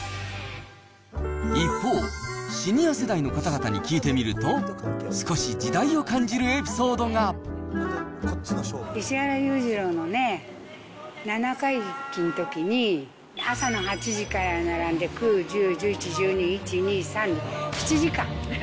一方、シニア世代の方々に聞いてみると、少し時代を感じるエピソードが石原裕次郎のね、七回忌のときに朝の８時から並んで、９、１０、１１、１２、１、２、３、７時間。